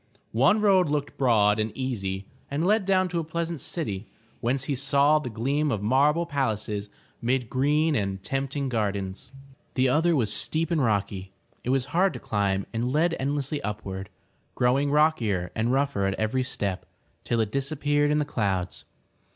One road looked broad and easy and led down to a pleasant city whence he saw the 423 MY BOOK HOUSE gleam of marble palaces mid green and tempting gardens. The other was steep and rocky. It was hard to climb and led endlessly upward, growing rockier and rougher at every step, till it dis* appeared in the clouds.